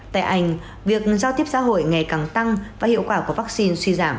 tại anh việc giao tiếp xã hội ngày càng tăng và hiệu quả của vaccine suy giảm